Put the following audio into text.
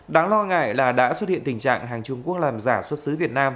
đáng lo ngại là đã xuất hiện tình trạng hàng trung quốc làm giả xuất xứ việt nam